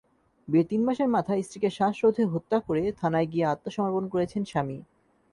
বিয়ের তিন মাসের মাথায় স্ত্রীকে শ্বাসরোধে হত্যা করে থানায় গিয়ে আত্মসমর্পণ করেছেন স্বামী।